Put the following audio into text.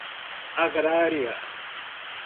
agrária